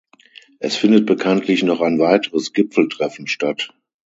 Es findet bekanntlich noch ein weiteres Gipfeltreffen statt.